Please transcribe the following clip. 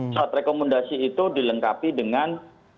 surat rekomendasi itu dilengkapi dengan